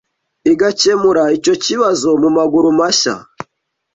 igakemura icyo kibazo mu maguru mashya